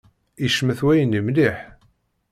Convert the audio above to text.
Icmet wayenni mliḥ.